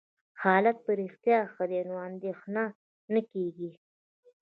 حالت په رښتیا ښه دی، نو اندېښنه نه کېږي.